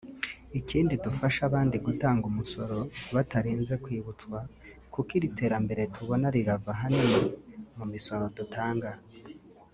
Ikindi dufashe n’abandi gutanga umusoro batarinze kwibutswa kuko iri terambere tubona rirava ahanini mu misoro dutanga